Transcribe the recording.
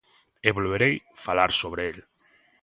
E volverei falar sobre el.